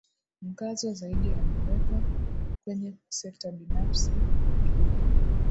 Mkazo zaidi ameweka kwenye sekta binafsi na kilimo